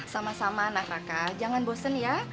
sama sama anak anak jangan bosen ya